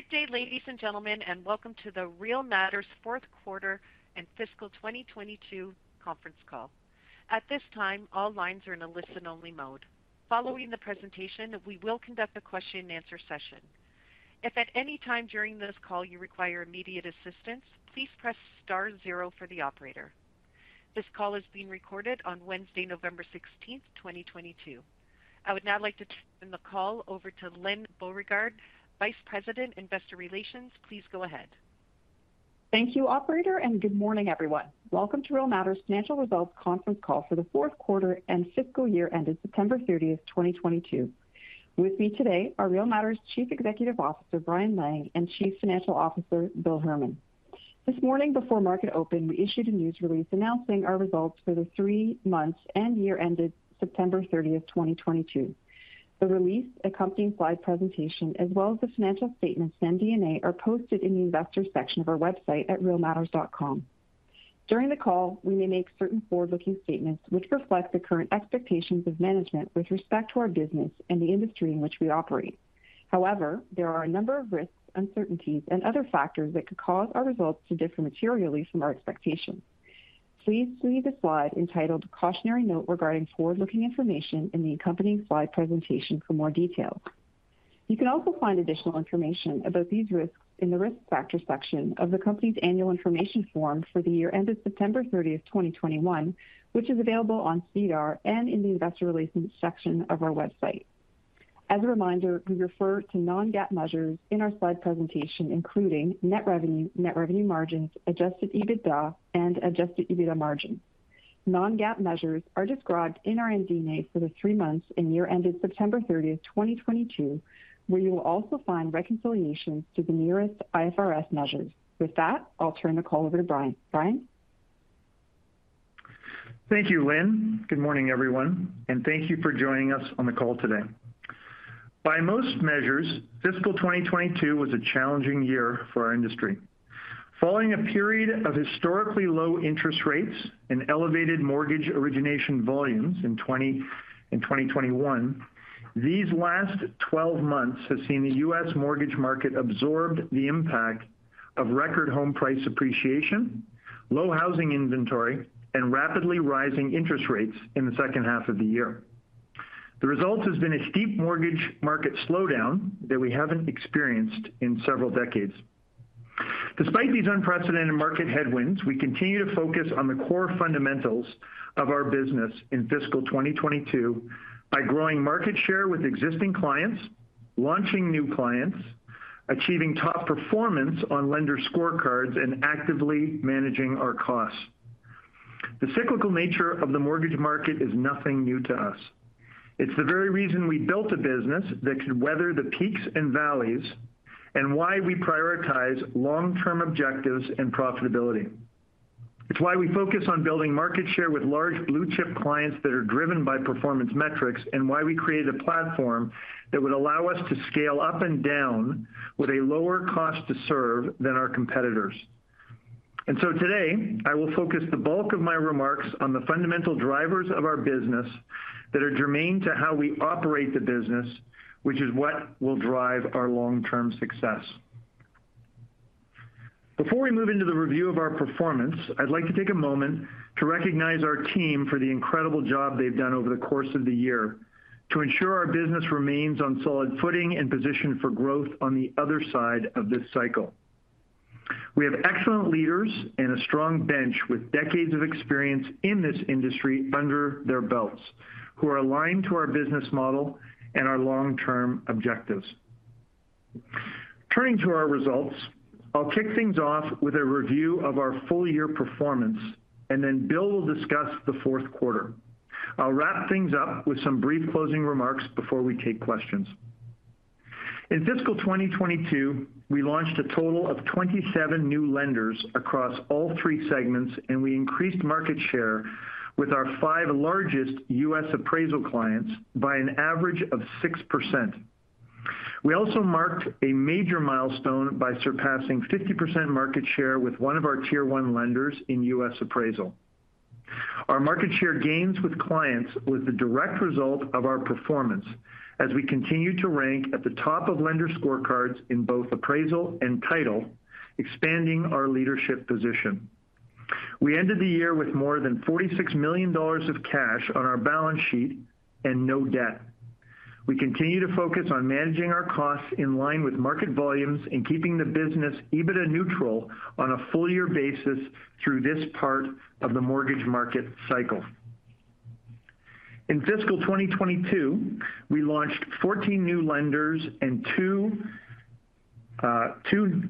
Good day, ladies and gentlemen, and welcome to the Real Matters fourth quarter and fiscal 2022 conference call. At this time, all lines are in a listen-only mode. Following the presentation, we will conduct a question and answer session. If at any time during this call you require immediate assistance, please press star zero for the operator. This call is being recorded on Wednesday, November 16, 2022. I would now like to turn the call over to Lyne Beauregard, Vice President, Investor Relations. Please go ahead. Thank you, operator, and good morning, everyone. Welcome to Real Matters Financial Results conference call for the fourth quarter and fiscal year ended September 30, 2022. With me today are Real Matters Chief Executive Officer, Brian Lang, and Chief Financial Officer, Bill Herman. This morning before market open, we issued a news release announcing our results for the three months and year ended September 30, 2022. The release accompanying slide presentation as well as the financial statements and MD&A are posted in the investor section of our website at realmatters.com. During the call, we may make certain forward-looking statements which reflect the current expectations of management with respect to our business and the industry in which we operate. However, there are a number of risks, uncertainties and other factors that could cause our results to differ materially from our expectations. Please see the slide entitled Cautionary Note regarding forward-looking information in the accompanying slide presentation for more details. You can also find additional information about these risks in the Risk Factors section of the company's annual information form for the year ended September 30, 2021, which is available on SEDAR and in the investor relations section of our website. As a reminder, we refer to non-GAAP measures in our slide presentation, including net revenue, net revenue margins, adjusted EBITDA and adjusted EBITDA margins. Non-GAAP measures are described in our MD&A for the three months and year ended September 30, 2022, where you will also find reconciliations to the nearest IFRS measures. With that, I'll turn the call over to Brian. Brian? Thank you, Lyne. Good morning, everyone, and thank you for joining us on the call today. By most measures, fiscal 2022 was a challenging year for our industry. Following a period of historically low interest rates and elevated mortgage origination volumes in 2021, these last 12 months have seen the U.S. mortgage market absorb the impact of record home price appreciation, low housing inventory, and rapidly rising interest rates in the second half of the year. The result has been a steep mortgage market slowdown that we haven't experienced in several decades. Despite these unprecedented market headwinds, we continue to focus on the core fundamentals of our business in fiscal 2022 by growing market share with existing clients, launching new clients, achieving top performance on lender scorecards, and actively managing our costs. The cyclical nature of the mortgage market is nothing new to us. It's the very reason we built a business that could weather the peaks and valleys, and why we prioritize long-term objectives and profitability. It's why we focus on building market share with large blue-chip clients that are driven by performance metrics, and why we created a platform that would allow us to scale up and down with a lower cost to serve than our competitors. Today, I will focus the bulk of my remarks on the fundamental drivers of our business that are germane to how we operate the business, which is what will drive our long-term success. Before we move into the review of our performance, I'd like to take a moment to recognize our team for the incredible job they've done over the course of the year to ensure our business remains on solid footing and positioned for growth on the other side of this cycle. We have excellent leaders and a strong bench with decades of experience in this industry under their belts who are aligned to our business model and our long-term objectives. Turning to our results, I'll kick things off with a review of our full-year performance, and then Bill will discuss the fourth quarter. I'll wrap things up with some brief closing remarks before we take questions. In fiscal 2022, we launched a total of 27 new lenders across all three segments, and we increased market share with our five largest U.S. appraisal clients by an average of 6%. We also marked a major milestone by surpassing 50% market share with one of our tier one lenders in U.S. appraisal. Our market share gains with clients was the direct result of our performance as we continue to rank at the top of lender scorecards in both appraisal and title, expanding our leadership position. We ended the year with more than $46 million of cash on our balance sheet and no debt. We continue to focus on managing our costs in line with market volumes and keeping the business EBITDA neutral on a full year basis through this part of the mortgage market cycle. In fiscal 2022, we launched 14 new lenders and two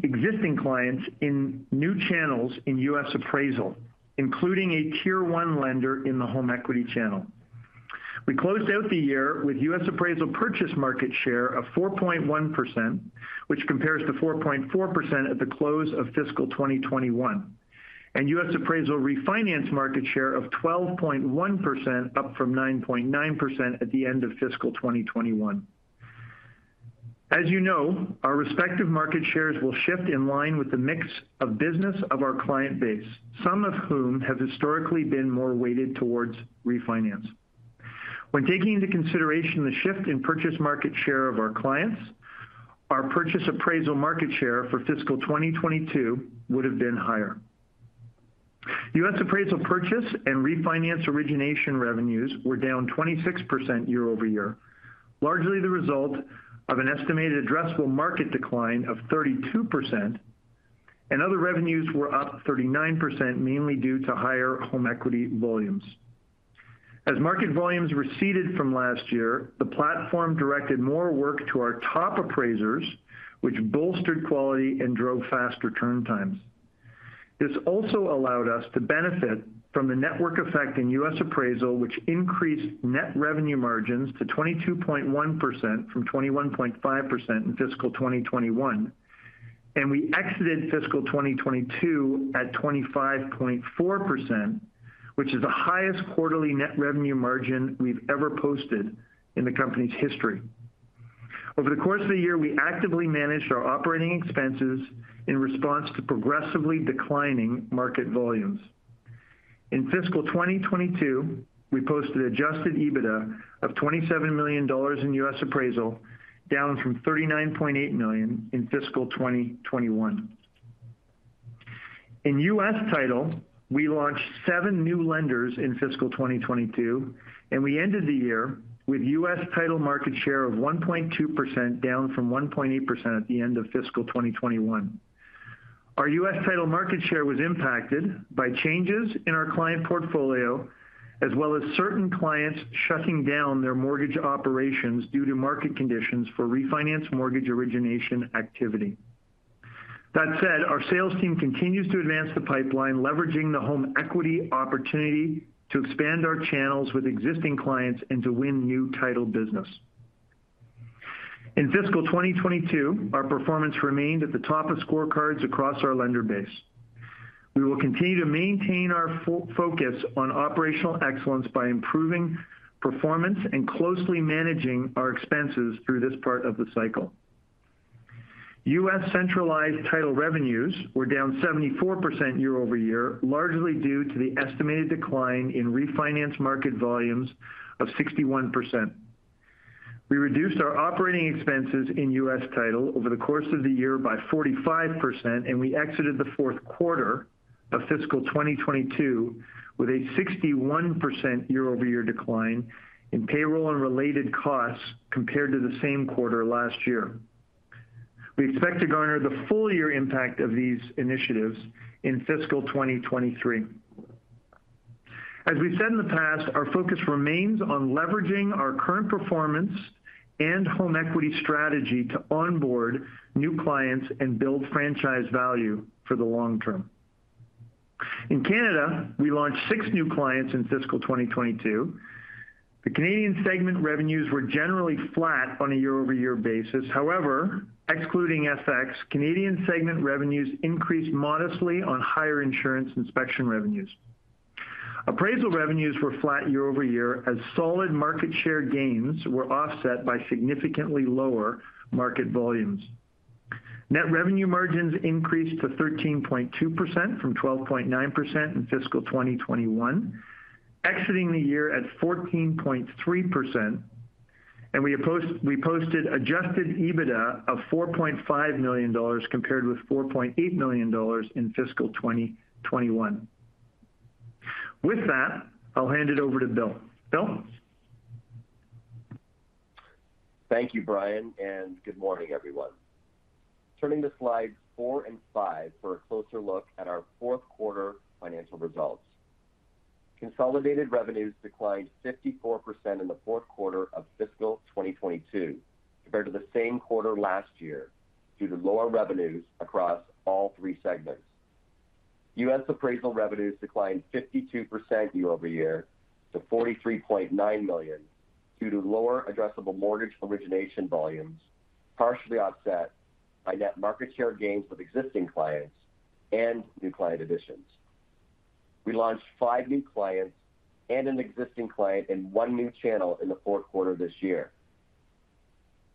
existing clients in new channels in U.S. appraisal, including a tier one lender in the home equity channel. We closed out the year with U.S. appraisal purchase market share of 4.1%, which compares to 4.4% at the close of fiscal 2021, and U.S. appraisal refinance market share of 12.1%, up from 9.9% at the end of fiscal 2021. As you know, our respective market shares will shift in line with the mix of business of our client base, some of whom have historically been more weighted towards refinance. When taking into consideration the shift in purchase market share of our clients, our purchase appraisal market share for fiscal 2022 would have been higher. U.S. appraisal purchase and refinance origination revenues were down 26% year-over-year, largely the result of an estimated addressable market decline of 32%. Other revenues were up 39%, mainly due to higher home equity volumes. As market volumes receded from last year, the platform directed more work to our top appraisers, which bolstered quality and drove faster turn times. This also allowed us to benefit from the network effect in U.S. appraisal, which increased net revenue margins to 22.1% from 21.5% in fiscal 2021. We exited fiscal 2022 at 25.4%, which is the highest quarterly net revenue margin we've ever posted in the company's history. Over the course of the year, we actively managed our operating expenses in response to progressively declining market volumes. In fiscal 2022, we posted adjusted EBITDA of $27 million in U.S. appraisal, down from $39.8 million in fiscal 2021. In U.S. Title, we launched 7 new lenders in fiscal 2022, and we ended the year with U.S. Title market share of 1.2%, down from 1.8% at the end of fiscal 2021. Our U.S. Title market share was impacted by changes in our client portfolio, as well as certain clients shutting down their mortgage operations due to market conditions for refinance mortgage origination activity. That said, our sales team continues to advance the pipeline, leveraging the home equity opportunity to expand our channels with existing clients and to win new title business. In fiscal 2022, our performance remained at the top of scorecards across our lender base. We will continue to maintain our focus on operational excellence by improving performance and closely managing our expenses through this part of the cycle. U.S. centralized title revenues were down 74% year-over-year, largely due to the estimated decline in refinance market volumes of 61%. We reduced our operating expenses in U.S. Title over the course of the year by 45%, and we exited the fourth quarter of fiscal 2022 with a 61% year-over-year decline in payroll and related costs compared to the same quarter last year. We expect to garner the full year impact of these initiatives in fiscal 2023. As we said in the past, our focus remains on leveraging our current performance and home equity strategy to onboard new clients and build franchise value for the long term. In Canada, we launched 6 new clients in fiscal 2022. The Canadian segment revenues were generally flat on a year-over-year basis. However, excluding FX, Canadian segment revenues increased modestly on higher insurance inspection revenues. Appraisal revenues were flat year over year as solid market share gains were offset by significantly lower market volumes. Net revenue margins increased to 13.2% from 12.9% in fiscal 2021, exiting the year at 14.3%. We posted adjusted EBITDA of $4.5 million compared with $4.8 million in fiscal 2021. With that, I'll hand it over to Bill. Bill? Thank you, Brian, and good morning, everyone. Turning to slides 4 and 5 for a closer look at our fourth quarter financial results. Consolidated revenues declined 54% in the fourth quarter of fiscal 2022 compared to the same quarter last year due to lower revenues across all three segments. U.S. Appraisal revenues declined 52% year-over-year to $43.9 million due to lower addressable mortgage origination volumes, partially offset by net market share gains with existing clients and new client additions. We launched 5 new clients and an existing client in one new channel in the fourth quarter this year.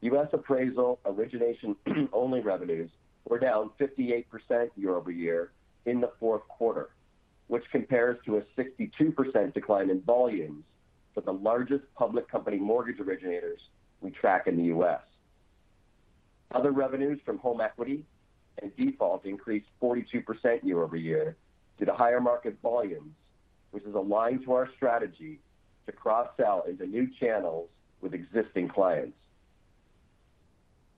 U.S. Appraisal origination only revenues were down 58% year-over-year in the fourth quarter, which compares to a 62% decline in volumes for the largest public company mortgage originators we track in the U.S. Other revenues from home equity and default increased 42% year-over-year due to higher market volumes, which is aligned to our strategy to cross-sell into new channels with existing clients.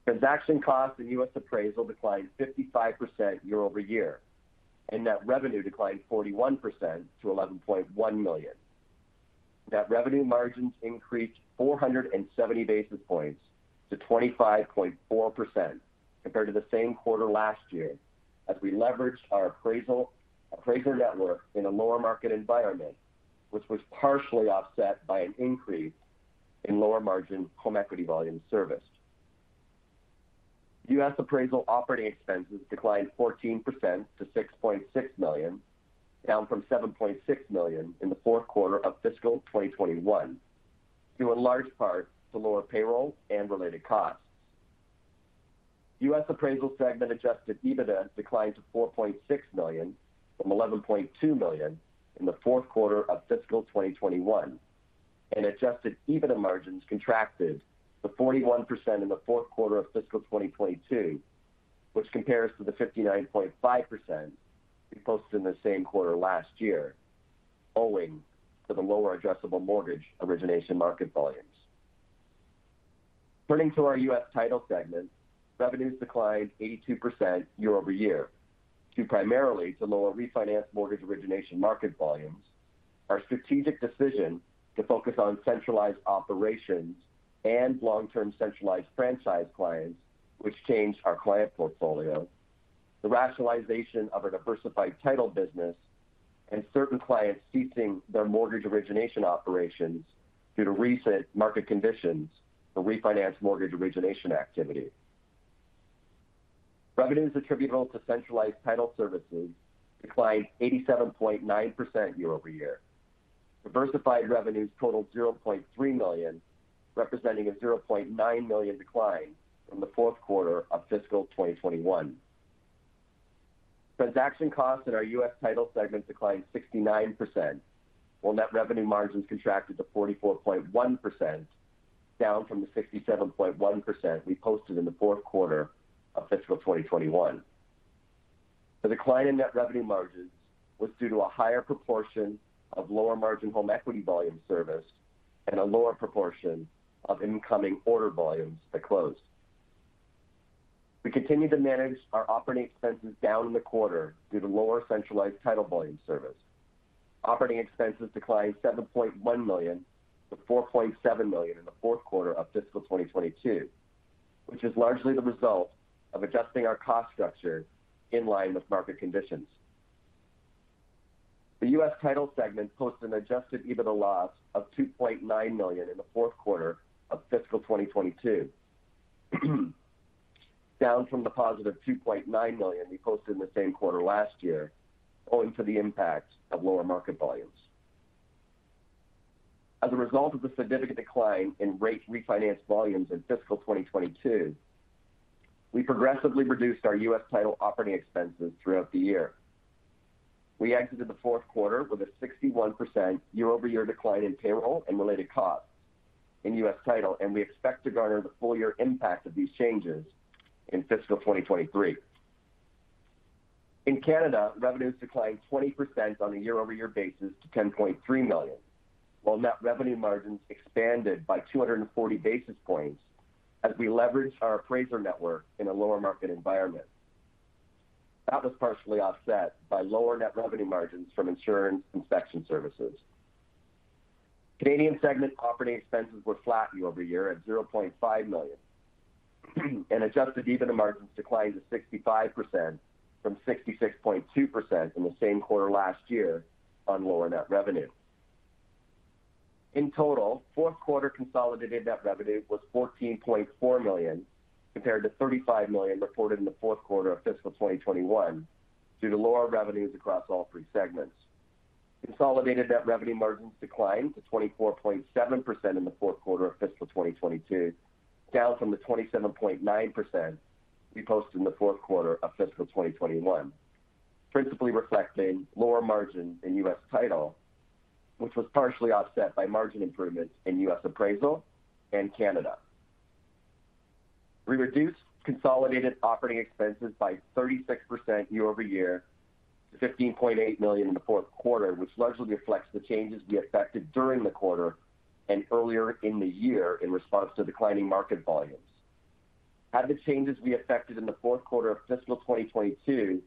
Transaction costs in U.S. appraisal declined 55% year-over-year, and net revenue declined 41% to $11.1 million. Net revenue margins increased 470 basis points to 25.4% compared to the same quarter last year as we leveraged our appraisal, appraiser network in a lower market environment, which was partially offset by an increase in lower margin home equity volume serviced. U.S. Appraisal operating expenses declined 14% to $6.6 million, down from $7.6 million in the fourth quarter of fiscal 2021, due in large part to lower payroll and related costs. U.S. Appraisal segment adjusted EBITDA declined to $4.6 million from $11.2 million in the fourth quarter of fiscal 2021. Adjusted EBITDA margins contracted to 41% in the fourth quarter of fiscal 2022, which compares to the 59.5% we posted in the same quarter last year, owing to the lower adjustable mortgage origination market volumes. Turning to our U.S. Title segment, revenues declined 82% year-over-year due primarily to lower refinance mortgage origination market volumes. Our strategic decision to focus on centralized operations and long-term centralized franchise clients, which changed our client portfolio. The rationalization of a diversified title business, and certain clients ceasing their mortgage origination operations due to recent market conditions for refinance mortgage origination activity. Revenues attributable to centralized title services declined 87.9% year-over-year. Diversified revenues totaled $0.3 million, representing a $0.9 million decline from the fourth quarter of fiscal 2021. Transaction costs in our U.S. Title segment declined 69%, while net revenue margins contracted to 44.1%, down from the 67.1% we posted in the fourth quarter of fiscal 2021. The decline in net revenue margins was due to a higher proportion of lower margin home equity volume servicing and a lower proportion of incoming order volumes that closed. We continue to manage our operating expenses down in the quarter due to lower centralized title volume servicing. Operating expenses declined $7.1 million-$4.7 million in the fourth quarter of fiscal 2022, which is largely the result of adjusting our cost structure in line with market conditions. The U.S. Title segment posted an adjusted EBITDA loss of $2.9 million in the fourth quarter of fiscal 2022. Down from the positive $2.9 million we posted in the same quarter last year, owing to the impact of lower market volumes. As a result of the significant decline in rate refinance volumes in fiscal 2022, we progressively reduced our U.S. Title operating expenses throughout the year. We exited the fourth quarter with a 61% year-over-year decline in payroll and related costs in U.S. Title, and we expect to garner the full year impact of these changes in fiscal 2023. In Canada, revenues declined 20% on a year-over-year basis to $10.3 million, while net revenue margins expanded by 240 basis points as we leveraged our appraiser network in a lower market environment. That was partially offset by lower net revenue margins from insurance inspection services. Canadian segment operating expenses were flat year-over-year at $0.5 million. Adjusted EBITDA margins declined to 65% from 66.2% in the same quarter last year on lower net revenue. In total, fourth quarter consolidated net revenue was $14.4 million, compared to $35 million reported in the fourth quarter of fiscal 2021 due to lower revenues across all three segments. Consolidated net revenue margins declined to 24.7% in the fourth quarter of fiscal 2022, down from the 27.9% we posted in the fourth quarter of fiscal 2021. Principally reflecting lower margin in U.S. Title, which was partially offset by margin improvements in U.S. Appraisal and Canada. We reduced consolidated operating expenses by 36% year-over-year to $15.8 million in the fourth quarter, which largely reflects the changes we effected during the quarter and earlier in the year in response to declining market volumes. Had the changes we effected in the fourth quarter of fiscal 2022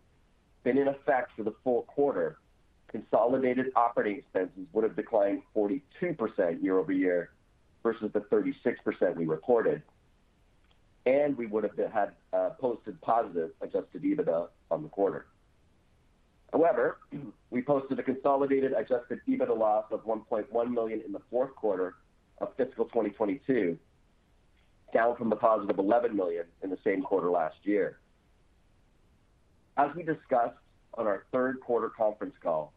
been in effect for the full quarter, consolidated operating expenses would have declined 42% year-over-year versus the 36% we reported. We would have posted positive adjusted EBITDA on the quarter. However, we posted a consolidated adjusted EBITDA loss of $1.1 million in the fourth quarter of fiscal 2022, down from the positive $11 million in the same quarter last year. As we discussed on our third quarter conference call,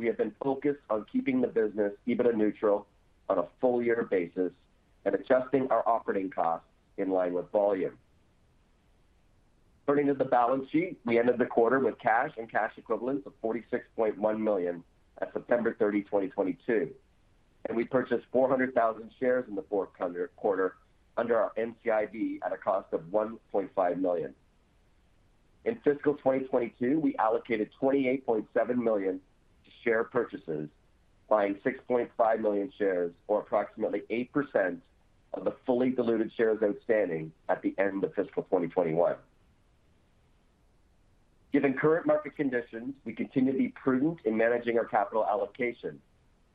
we have been focused on keeping the business EBITDA neutral on a full year basis and adjusting our operating costs in line with volume. Turning to the balance sheet, we ended the quarter with cash and cash equivalents of $46.1 million at September 30, 2022. We purchased 400,000 shares in the fourth quarter under our NCIB at a cost of $1.5 million. In fiscal 2022, we allocated $28.7 million to share purchases, buying 6.5 million shares or approximately 8% of the fully diluted shares outstanding at the end of fiscal 2021. Given current market conditions, we continue to be prudent in managing our capital allocation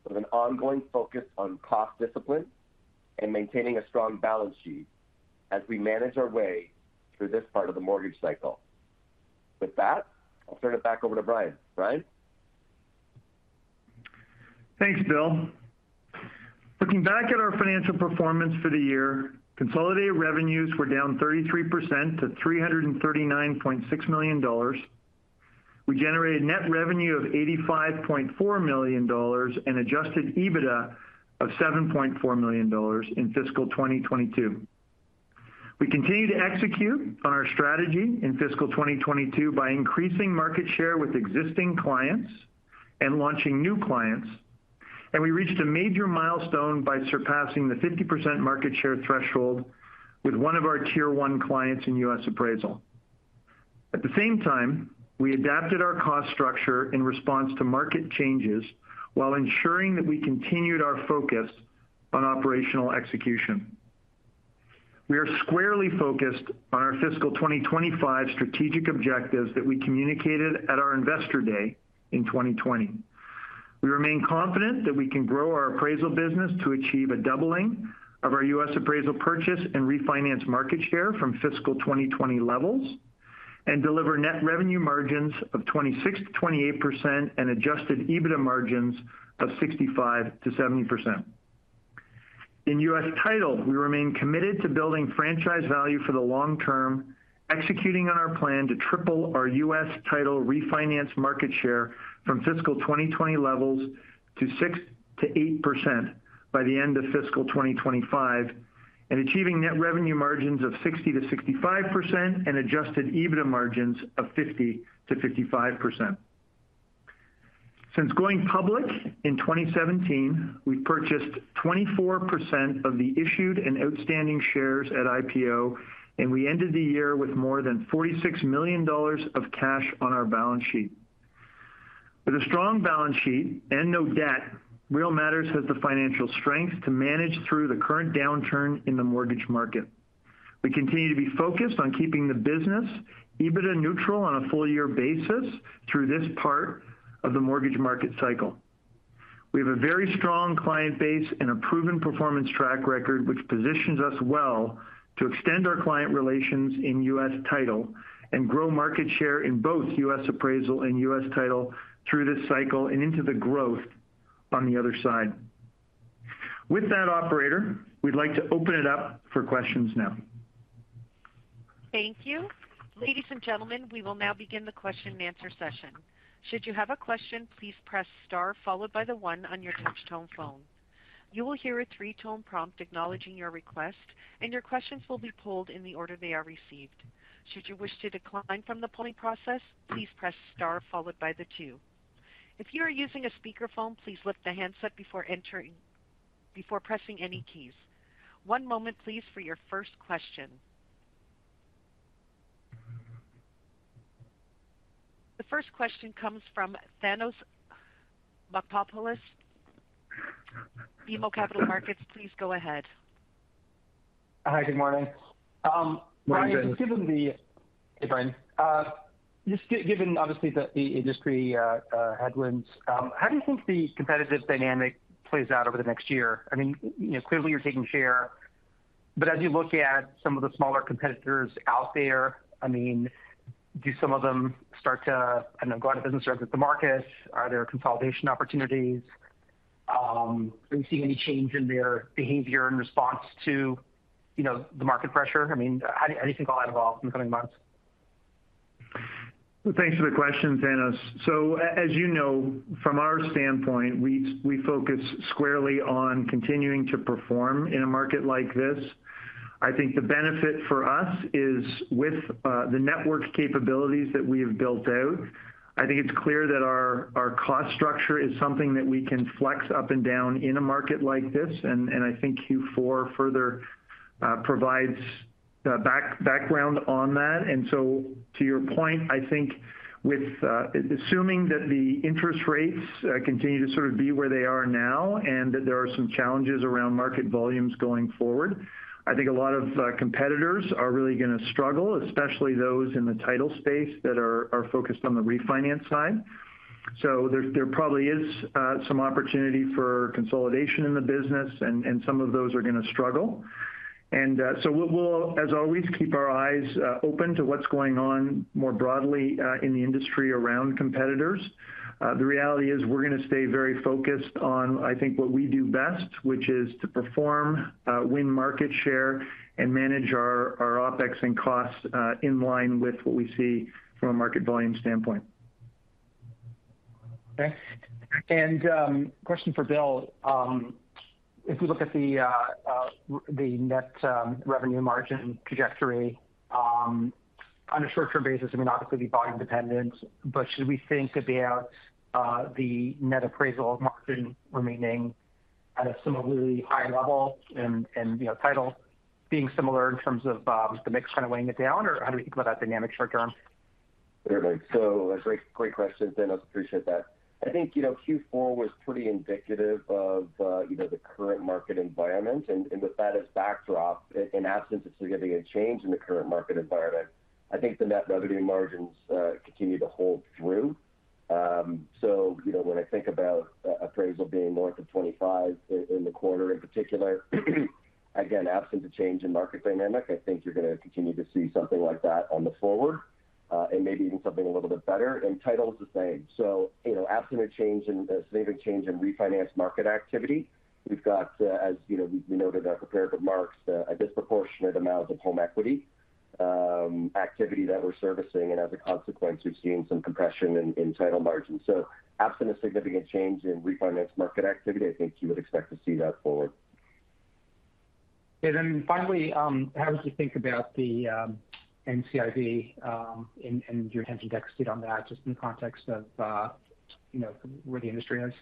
with an ongoing focus on cost discipline and maintaining a strong balance sheet as we manage our way through this part of the mortgage cycle. With that, I'll turn it back over to Brian. Brian? Thanks, Bill. Looking back at our financial performance for the year, consolidated revenues were down 33% to $339.6 million. We generated net revenue of $85.4 million and adjusted EBITDA of $7.4 million in fiscal 2022. We continued to execute on our strategy in fiscal 2022 by increasing market share with existing clients and launching new clients. We reached a major milestone by surpassing the 50% market share threshold with one of our tier one clients in U.S. Appraisal. At the same time, we adapted our cost structure in response to market changes while ensuring that we continued our focus on operational execution. We are squarely focused on our fiscal 2025 strategic objectives that we communicated at our Investor Day in 2020. We remain confident that we can grow our appraisal business to achieve a doubling of our U.S. appraisal purchase and refinance market share from fiscal 2020 levels and deliver net revenue margins of 26%-28% and adjusted EBITDA margins of 65%-70%. In U.S. title, we remain committed to building franchise value for the long term, executing on our plan to triple our U.S. title refinance market share from fiscal 2020 levels to 6%-8% by the end of fiscal 2025, and achieving net revenue margins of 60%-65% and adjusted EBITDA margins of 50%-55%. Since going public in 2017, we purchased 24% of the issued and outstanding shares at IPO, and we ended the year with more than $46 million of cash on our balance sheet. With a strong balance sheet and no debt, Real Matters has the financial strength to manage through the current downturn in the mortgage market. We continue to be focused on keeping the business EBITDA neutral on a full year basis through this part of the mortgage market cycle. We have a very strong client base and a proven performance track record, which positions us well to extend our client relations in U.S. Title and grow market share in both U.S. Appraisal and U.S. Title through this cycle and into the growth on the other side. With that, operator, we'd like to open it up for questions now. Thank you. Ladies and gentlemen, we will now begin the question and answer session. Should you have a question, please press star followed by the one on your touch tone phone. You will hear a three-tone prompt acknowledging your request, and your questions will be pulled in the order they are received. Should you wish to decline from the polling process, please press star followed by the two. If you are using a speakerphone, please lift the handset before pressing any keys. One moment please for your first question. The first question comes from Thanos Moschopoulos, BMO Capital Markets. Please go ahead. Hi, good morning. Morning. Brian, just given obviously the industry headwinds, how do you think the competitive dynamic plays out over the next year? I mean, you know, clearly you're taking share, but as you look at some of the smaller competitors out there, I mean, do some of them start to, I don't know, go out of business or exit the market? Are there consolidation opportunities? Are you seeing any change in their behavior in response to, you know, the market pressure? I mean, how do you think all that evolves in the coming months? Thanks for the question, Thanos. As you know, from our standpoint, we focus squarely on continuing to perform in a market like this. I think the benefit for us is with the network capabilities that we have built out. I think it's clear that our cost structure is something that we can flex up and down in a market like this. I think Q4 further provides background on that. To your point, I think with assuming that the interest rates continue to sort of be where they are now and that there are some challenges around market volumes going forward, I think a lot of competitors are really gonna struggle, especially those in the title space that are focused on the refinance side. There probably is some opportunity for consolidation in the business and some of those are gonna struggle. We'll as always keep our eyes open to what's going on more broadly in the industry around competitors. The reality is we're gonna stay very focused on, I think, what we do best, which is to perform, win market share and manage our OPEX and costs in line with what we see from a market volume standpoint. Okay. Question for Bill. If we look at the net revenue margin trajectory on a short-term basis, I mean, obviously be volume dependent, but should we think about the net appraisal margin remaining at a similarly high level and you know, title being similar in terms of the mix kind of weighing it down, or how do we think about that dynamic short term? A great question, Thanos. Appreciate that. I think, you know, Q4 was pretty indicative of, you know, the current market environment and with that as backdrop in absence of significant change in the current market environment. I think the net revenue margins continue to hold through. You know, when I think about appraisal being more than 25% in the quarter in particular, again, absent a change in market dynamics, I think you're gonna continue to see something like that going forward, and maybe even something a little bit better, and title is the same. You know, absent significant change in refinance market activity, we've got, as you know, we noted in our prepared remarks, a disproportionate amount of home equity. Activity that we're servicing, and as a consequence, we've seen some compression in title margins. Absent a significant change in refinance market activity, I think you would expect to see that forward. Okay. Finally, how would you think about the NCIB and your intention to execute on that just in context of you know where the industry is?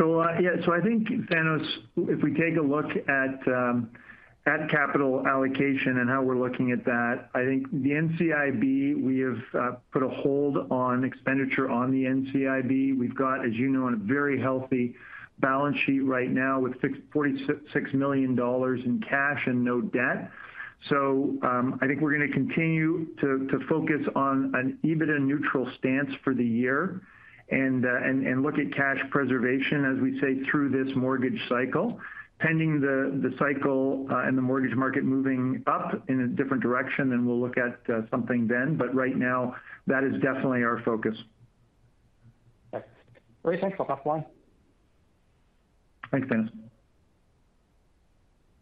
I think, Thanos, if we take a look at capital allocation and how we're looking at that, I think the NCIB, we have put a hold on expenditure on the NCIB. We've got, as you know, a very healthy balance sheet right now with $46 million in cash and no debt. I think we're gonna continue to focus on an EBITDA neutral stance for the year and look at cash preservation, as we say, through this mortgage cycle. Depending on the cycle and the mortgage market moving up in a different direction, then we'll look at something then. But right now, that is definitely our focus. Okay. Great. Thanks for the color. Thanks, Thanos.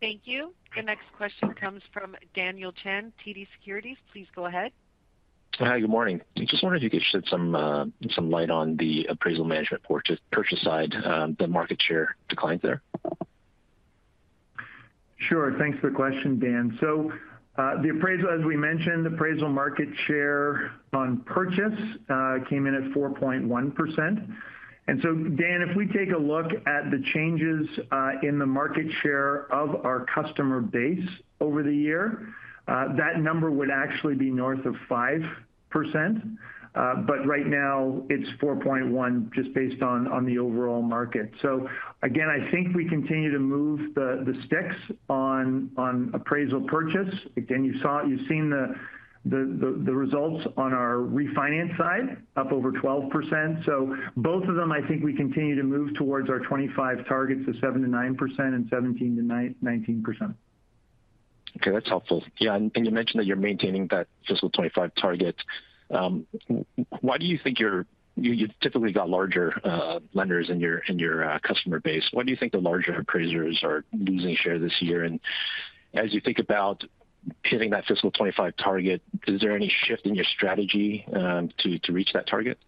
Thank you. The next question comes from Daniel Chan, TD Securities. Please go ahead. Hi. Good morning. Just wondered if you could shed some light on the appraisal management purchase side, the market share decline there? Sure. Thanks for the question, Dan. The appraisal, as we mentioned, appraisal market share on purchase came in at 4.1%. Dan, if we take a look at the changes in the market share of our customer base over the year, that number would actually be north of 5%. But right now it's 4.1 just based on the overall market. Again, I think we continue to move the sticks on appraisal purchase. Again, you've seen the results on our refinance side up over 12%. Both of them, I think we continue to move towards our 2025 targets of 7%-9% and 17%-19%. Okay. That's helpful. Yeah. You mentioned that you're maintaining that fiscal 2025 target. Why do you think you typically have got larger lenders in your customer base? Why do you think the larger appraisers are losing share this year? As you think about hitting that fiscal 2025 target, is there any shift in your strategy to reach that target?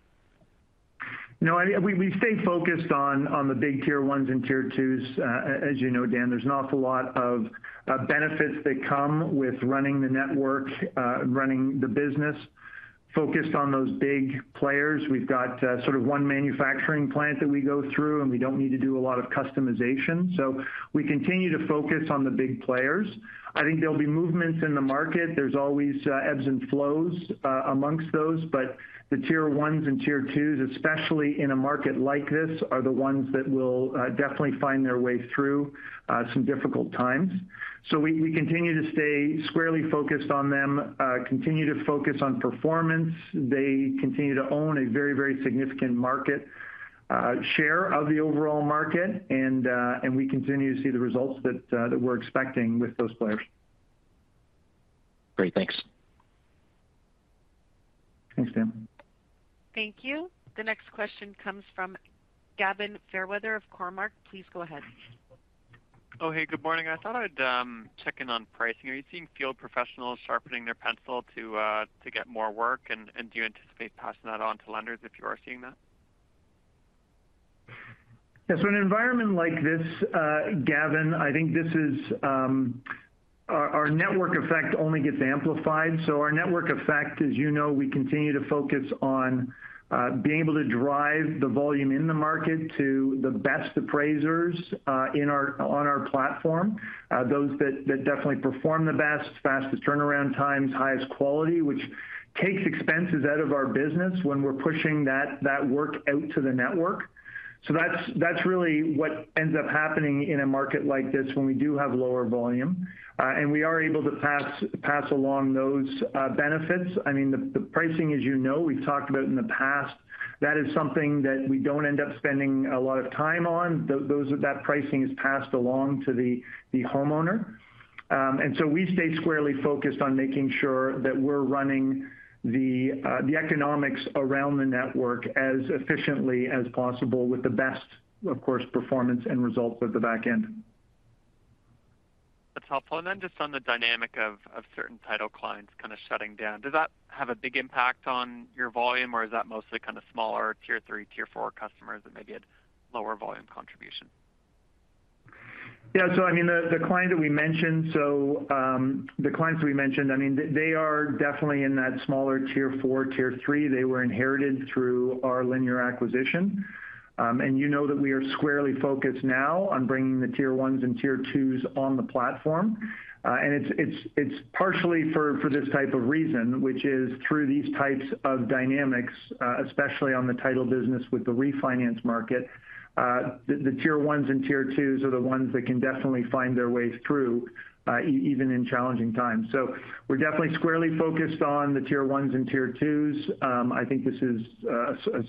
No, I mean, we stay focused on the big tier ones and tier twos. As you know, Dan, there's an awful lot of benefits that come with running the network, running the business focused on those big players. We've got sort of one manufacturing plant that we go through, and we don't need to do a lot of customization. We continue to focus on the big players. I think there'll be movements in the market. There's always ebbs and flows among those. The tier ones and tier twos, especially in a market like this, are the ones that will definitely find their way through some difficult times. We continue to stay squarely focused on them, continue to focus on performance. They continue to own a very, very significant market share of the overall market. We continue to see the results that we're expecting with those players. Great. Thanks. Thanks, Dan. Thank you. The next question comes from Gavin Fairweather of Cormark. Please go ahead. Oh, hey, good morning. I thought I'd check in on pricing. Are you seeing field professionals sharpening their pencil to get more work? Do you anticipate passing that on to lenders if you are seeing that? Yeah. In an environment like this, Gavin, I think this is our network effect only gets amplified. Our network effect, as you know, we continue to focus on being able to drive the volume in the market to the best appraisers on our platform. Those that definitely perform the best, fastest turnaround times, highest quality, which takes expenses out of our business when we're pushing that work out to the network. That's really what ends up happening in a market like this when we do have lower volume and we are able to pass along those benefits. I mean, the pricing, as you know, we've talked about in the past, that is something that we don't end up spending a lot of time on. That pricing is passed along to the homeowner. We stay squarely focused on making sure that we're running the economics around the network as efficiently as possible with the best, of course, performance and results at the back end. That's helpful. Just on the dynamic of certain title clients kind of shutting down, does that have a big impact on your volume, or is that mostly kind of smaller tier three, tier four customers that maybe had lower volume contribution? I mean, the clients we mentioned, I mean, they are definitely in that smaller tier four, tier three. They were inherited through our Linear acquisition. You know that we are squarely focused now on bringing the tier ones and tier twos on the platform. It's partially for this type of reason, which is through these types of dynamics, especially on the title business with the refinance market, the tier ones and tier twos are the ones that can definitely find their way through, even in challenging times. We're definitely squarely focused on the tier ones and tier twos. I think this is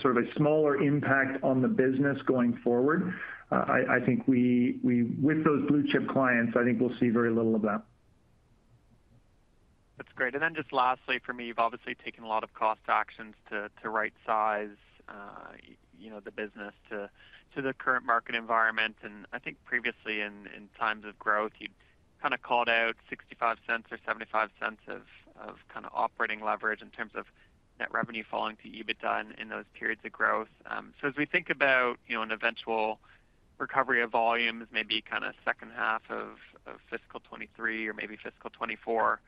sort of a smaller impact on the business going forward. I think with those blue-chip clients, I think we'll see very little of that. That's great. Then just lastly for me, you've obviously taken a lot of cost actions to right size, you know, the business to the current market environment. I think previously in times of growth, you kind of called out $0.65 or $0.75 of kind of operating leverage in terms of net revenue falling to EBITDA in those periods of growth. As we think about, you know, an eventual recovery of volumes, maybe kind of second half of fiscal 2023 or maybe fiscal 2024,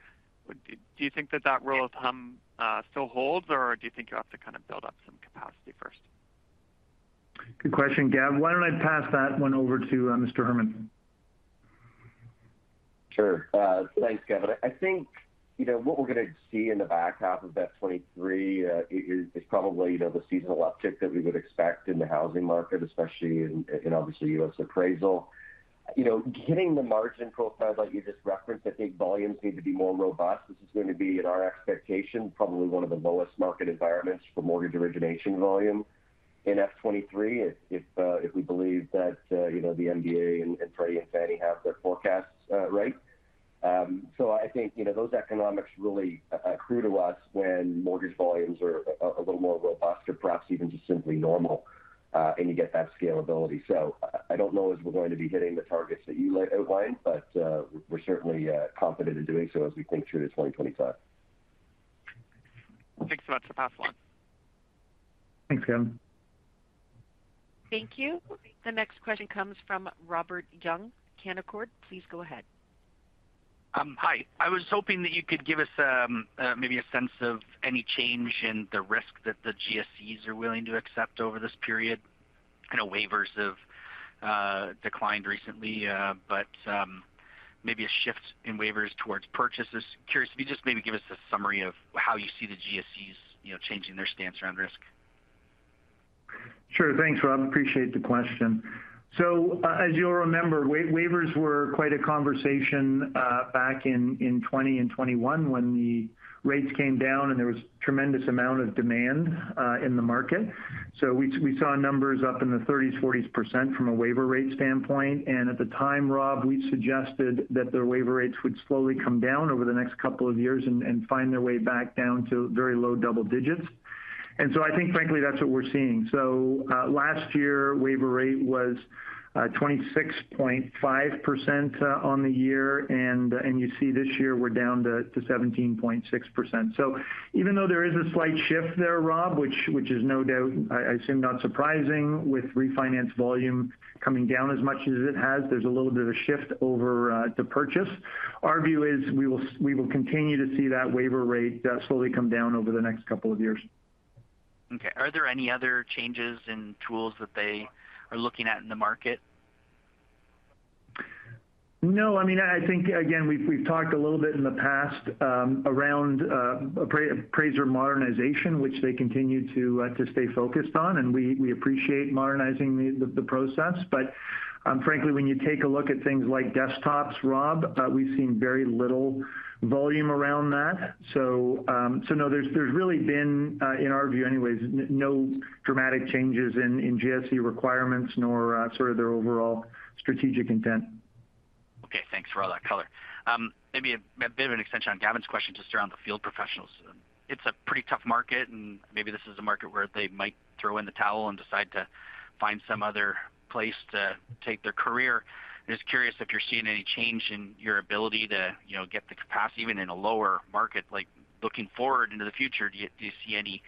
do you think that rule of thumb still holds or do you think you'll have to kind of build up some capacity first? Good question, Gav. Why don't I pass that one over to Mr. Herman? Sure. Thanks, Gavin. I think, you know, what we're gonna see in the back half of FY 2023 is probably, you know, the seasonal uptick that we would expect in the housing market, especially in obviously U.S. appraisal. You know, getting the margin profile like you just referenced, I think volumes need to be more robust. This is going to be, in our expectation, probably one of the lowest market environments for mortgage origination volume in FY 2023 if we believe that, you know, the MBA and Freddie Mac and Fannie Mae have their forecasts right. I think, you know, those economics really accrue to us when mortgage volumes are a little more robust or perhaps even just simply normal, and you get that scalability. I don't know if we're going to be hitting the targets that you outlined, but we're certainly confident in doing so as we think through to 2025. Thanks so much. I'll pass the line. Thanks, Gavin. Thank you. The next question comes from Robert Young, Canaccord. Please go ahead. Hi. I was hoping that you could give us maybe a sense of any change in the risk that the GSEs are willing to accept over this period. I know waivers have declined recently, but maybe a shift in waivers towards purchases. Curious if you just maybe give us a summary of how you see the GSEs, you know, changing their stance around risk. Sure. Thanks, Rob. Appreciate the question. As you'll remember, waivers were quite a conversation back in 2020 and 2021 when the rates came down and there was a tremendous amount of demand in the market. We saw numbers up in the 30s, 40s percent from a waiver rate standpoint. At the time, Rob, we suggested that their waiver rates would slowly come down over the next couple of years and find their way back down to very low double digits. I think frankly, that's what we're seeing. Last year, waiver rate was 26.5% on the year. You see this year we're down to 17.6%. Even though there is a slight shift there, Rob, which is no doubt, I assume, not surprising with refinance volume coming down as much as it has, there's a little bit of a shift over to purchase. Our view is we will continue to see that waiver rate slowly come down over the next couple of years. Okay. Are there any other changes in tools that they are looking at in the market? No. I mean, I think again, we've talked a little bit in the past, around appraiser modernization, which they continue to stay focused on, and we appreciate modernizing the process. Frankly, when you take a look at things like desktops, Rob, we've seen very little volume around that. No, there's really been, in our view anyways, no dramatic changes in GSE requirements nor sort of their overall strategic intent. Okay. Thanks for all that color. Maybe a bit of an extension on Gavin's question just around the field professionals. It's a pretty tough market, and maybe this is a market where they might throw in the towel and decide to find some other place to take their career. Just curious if you're seeing any change in your ability to, you know, get the capacity even in a lower market. Like, looking forward into the future, do you see any,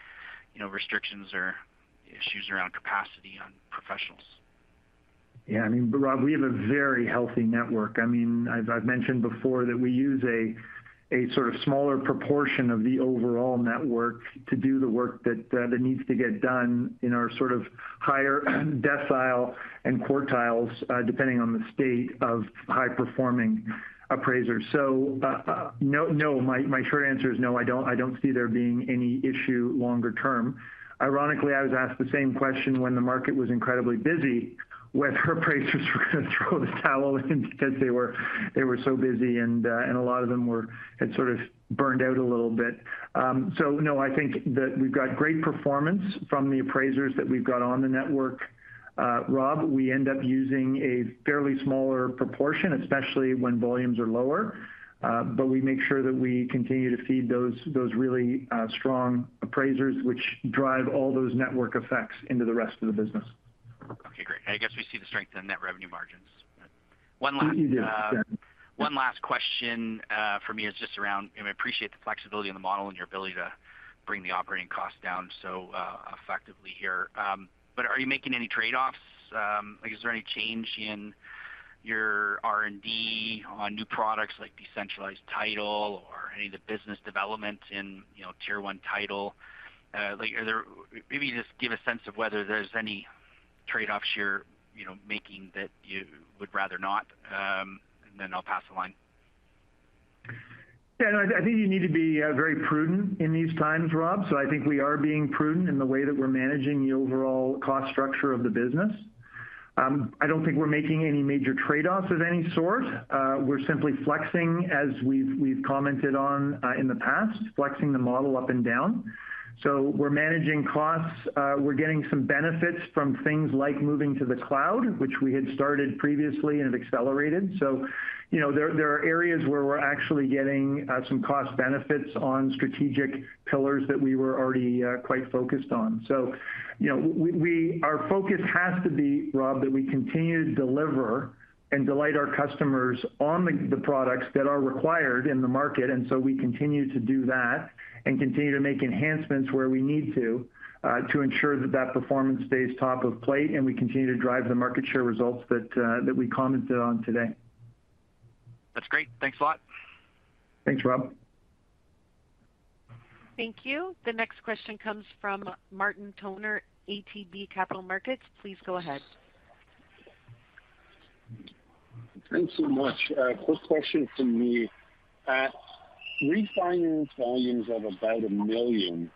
you know, restrictions or issues around capacity on professionals? Yeah. I mean, Rob, we have a very healthy network. I mean, as I've mentioned before, that we use a sort of smaller proportion of the overall network to do the work that needs to get done in our sort of higher decile and quartiles, depending on the state of high-performing appraisers. No. My short answer is no, I don't see there being any issue longer term. Ironically, I was asked the same question when the market was incredibly busy whether appraisers were gonna throw the towel in because they were so busy and a lot of them had sort of burned out a little bit. No, I think that we've got great performance from the appraisers that we've got on the network, Rob. We end up using a fairly smaller proportion, especially when volumes are lower. We make sure that we continue to feed those really strong appraisers which drive all those network effects into the rest of the business. Okay, great. I guess we see the strength in net revenue margins. Yeah. One last. Yeah. One last question for me is just around, you know, I appreciate the flexibility in the model and your ability to bring the operating cost down so effectively here. But are you making any trade-offs? Like is there any change in your R&D on new products like decentralized title or any of the business development in, you know, Tier 1 title? Like maybe just give a sense of whether there's any trade-offs you're, you know, making that you would rather not, and then I'll pass the line. Yeah. No, I think you need to be very prudent in these times, Rob. I think we are being prudent in the way that we're managing the overall cost structure of the business. I don't think we're making any major trade-offs of any sort. We're simply flexing as we've commented on in the past, flexing the model up and down. We're managing costs. We're getting some benefits from things like moving to the cloud, which we had started previously, and it accelerated. You know, there are areas where we're actually getting some cost benefits on strategic pillars that we were already quite focused on. You know, our focus has to be, Rob, that we continue to deliver and delight our customers on the products that are required in the market. We continue to do that and continue to make enhancements where we need to ensure that performance stays top of play, and we continue to drive the market share results that we commented on today. That's great. Thanks a lot. Thanks, Rob. Thank you. The next question comes from Martin Toner, ATB Capital Markets. Please go ahead. Thanks so much. Quick question from me. At refinance volumes of about 1 million,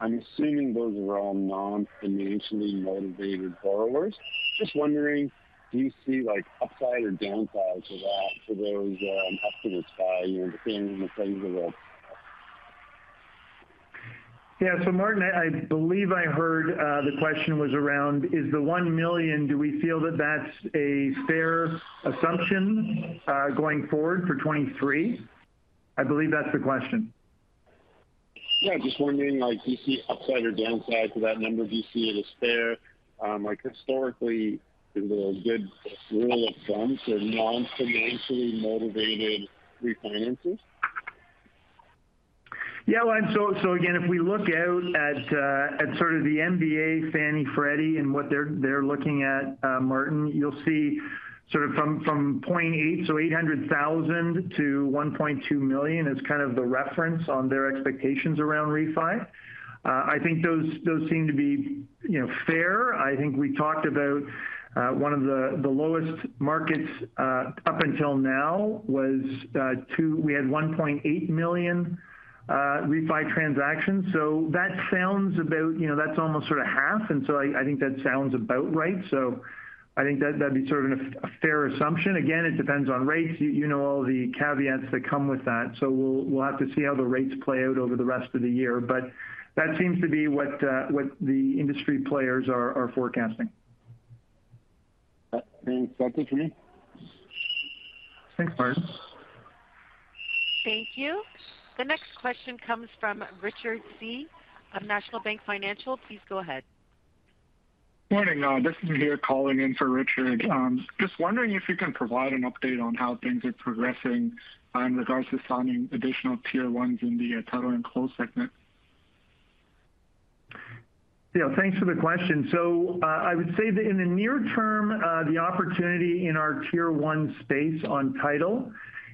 I'm assuming those are all non-financially motivated borrowers. Just wondering, do you see like upside or downside to that for those estimates by, you know, depending on the trends of the Yeah. Martin, I believe I heard the question was around is the 1 million, do we feel that that's a fair assumption going forward for 2023? I believe that's the question. Yeah. Just wondering like do you see upside or downside to that number? Do you see it as fair? Like historically, is it a good rule of thumb for non-financially motivated refinances? Yeah. Well, again, if we look out at sort of the MBA Fannie Mae/Freddie Mac and what they're looking at, Martin, you'll see sort of from 0.8, so 800,000-1.2 million is kind of the reference on their expectations around refi. I think those seem to be, you know, fair. I think we talked about one of the lowest markets up until now was we had 1.8 million refi transactions. That sounds about, you know, that's almost sort of half. I think that sounds about right. I think that'd be sort of a fair assumption. Again, it depends on rates. You know all the caveats that come with that. We'll have to see how the rates play out over the rest of the year. That seems to be what the industry players are forecasting. That seems perfect to me. Thanks, Martin. Thank you. The next question comes from Richard Tse of National Bank Financial. Please go ahead. Morning. This is Mihir calling in for Richard. Just wondering if you can provide an update on how things are progressing, in regards to signing additional tier ones in the title and closing segment. Yeah. Thanks for the question. I would say that in the near term, the opportunity in our tier one space on title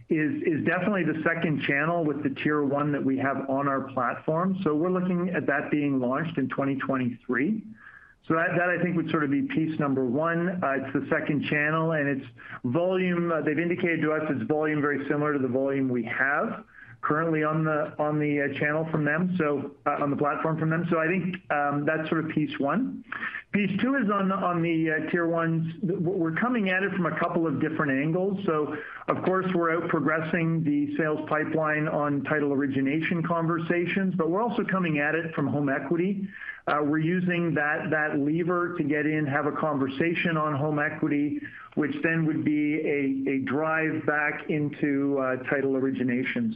is definitely the second channel with the tier one that we have on our platform. We're looking at that being launched in 2023. That I think would sort of be piece number one. It's the second channel, and its volume, they've indicated to us it's volume very similar to the volume we have currently on the channel from them, on the platform from them. I think that's sort of piece one. Piece two is on the tier ones. We're coming at it from a couple of different angles. Of course, we're out progressing the sales pipeline on title origination conversations, but we're also coming at it from home equity. We're using that lever to get in, have a conversation on home equity, which then would be a drive back into title origination.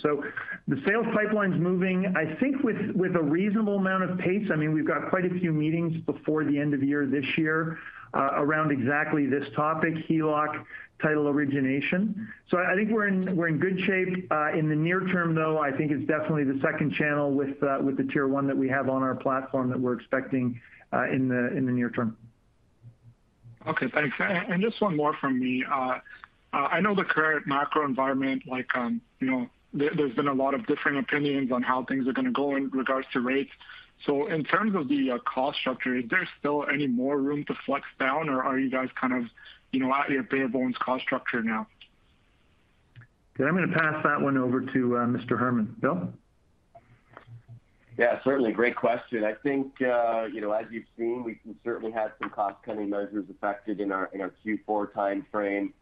The sales pipeline's moving, I think with a reasonable amount of pace. I mean, we've got quite a few meetings before the end of year this year, around exactly this topic, HELOC title origination. I think we're in good shape. In the near term, though, I think it's definitely the second channel with the tier one that we have on our platform that we're expecting in the near term. Okay. Thanks. Just one more from me. I know the current macro environment, like, you know, there's been a lot of different opinions on how things are gonna go in regards to rates. In terms of the cost structure, is there still any more room to flex down, or are you guys kind of, you know, at your bare bones cost structure now? Okay. I'm gonna pass that one over to Mr. Herman. Bill? Yeah, certainly. Great question. I think, you know, as you've seen, we can certainly have some cost-cutting measures effected in our Q4 timeframe.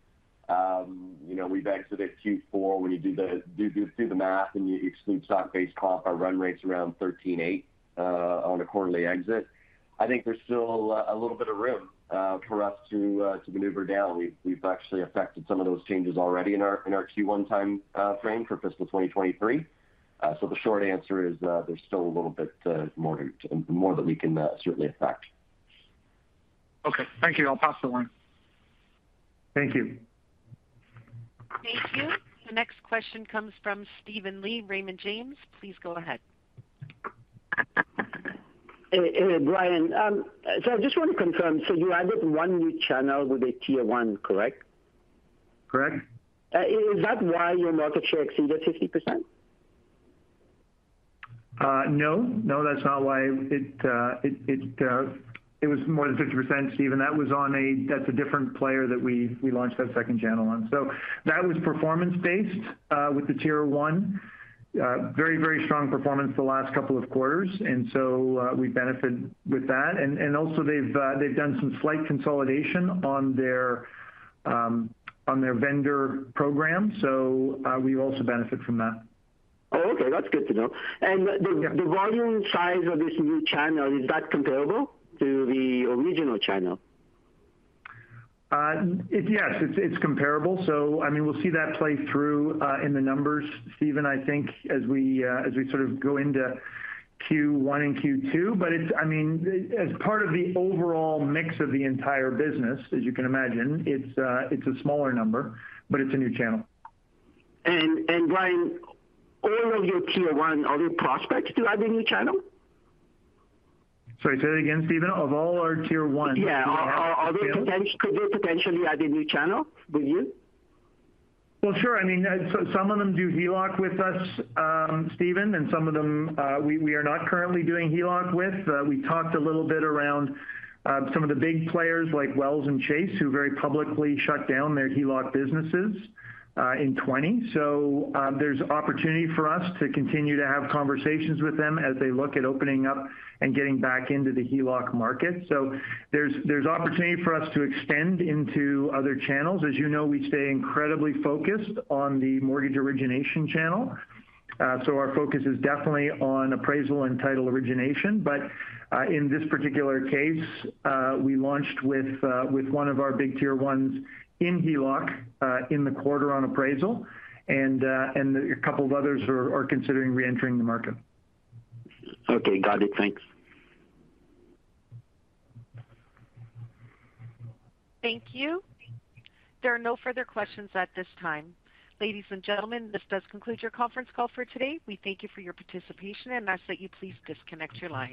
You know, we've exited Q4. When you do the math and you exclude stock-based comp, our run rate's around $13.8 on a quarterly exit. I think there's still a little bit of room for us to maneuver down. We've actually effected some of those changes already in our Q1 timeframe for fiscal 2023. The short answer is, there's still a little bit more that we can certainly affect. Okay. Thank you. I'll pass along. Thank you. Thank you. The next question comes from Steven Li, Raymond James. Please go ahead. Brian, so I just want to confirm. You added one new channel with a tier one, correct? Correct. Is that why your market share exceeded 50%? No. No, that's not why. It was more than 50%, Steven. That's a different player that we launched that second channel on. That was performance based with the tier one. Very strong performance the last couple of quarters. We benefit with that. Also they've done some slight consolidation on their vendor program. We also benefit from that. Oh, okay. That's good to know. Yeah. The volume size of this new channel, is that comparable to the original channel? Yes, it's comparable. I mean, we'll see that play through in the numbers, Steven, I think as we sort of go into Q1 and Q2. But I mean, as part of the overall mix of the entire business, as you can imagine, it's a smaller number, but it's a new channel. Brian, all of your tier one, are they prospects to add a new channel? Sorry, say that again, Steven. Of all our tier one- Yeah. Could they potentially add a new channel with you? Well, sure. I mean, some of them do HELOC with us, Steven, and some of them, we are not currently doing HELOC with. We talked a little bit around some of the big players like Wells and Chase, who very publicly shut down their HELOC businesses in 2020. There's opportunity for us to continue to have conversations with them as they look at opening up and getting back into the HELOC market. There's opportunity for us to extend into other channels. As you know, we stay incredibly focused on the mortgage origination channel. Our focus is definitely on appraisal and title origination. In this particular case, we launched with one of our big tier ones in HELOC in the quarter on appraisal. A couple of others are considering reentering the market. Okay. Got it. Thanks. Thank you. There are no further questions at this time. Ladies and gentlemen, this does conclude your conference call for today. We thank you for your participation and ask that you please disconnect your line.